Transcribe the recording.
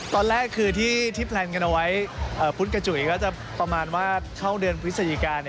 ตอนแรกคือที่แพลนกันเอาไว้พุทธกับจุ๋ยก็จะประมาณว่าเข้าเดือนพฤศจิกา